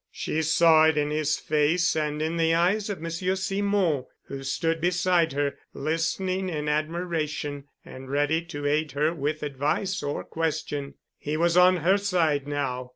She saw it in his face and in the eyes of Monsieur Simon, who stood beside her, listening in admiration and ready to aid her with advice or question. He was on her side now.